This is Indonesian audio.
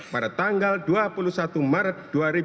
pada tanggal dua puluh satu maret dua ribu dua puluh